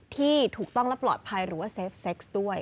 ที่ถูกต้องและปลอดภัยหรือว่าเซฟเซ็กซ์ด้วย